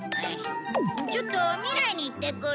ちょっと未来に行ってくる。